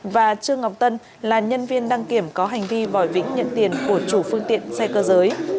và trương ngọc tân là nhân viên đăng kiểm có hành vi bồi vĩnh nhận tiền của chủ phương tiện xe cơ giới